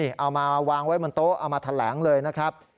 เอามาวางไว้บนโต๊ะเอามาแถลงเลยนะครับ